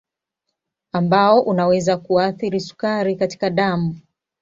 Ambao unaweza kuathiri sukari katika damu